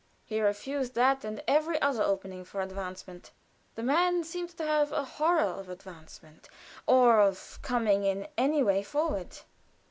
He refused the advance; he refused that and every other opening for advancement. The man seemed to have a horror of advancement, or of coming in any way forward.